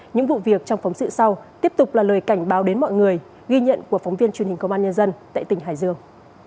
những vụ việc trong phóng sự sau tiếp tục là lời cảnh báo đến mọi người ghi nhận của phóng viên truyền hình công an nhân dân tại tỉnh hải dương